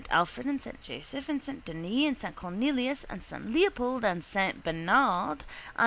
Alfred and S. Joseph and S. Denis and S. Cornelius and S. Leopold and S. Bernard and S.